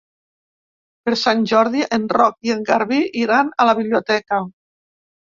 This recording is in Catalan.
Per Sant Jordi en Roc i en Garbí iran a la biblioteca.